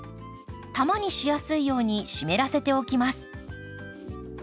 玉にしやすいように湿らせておきます。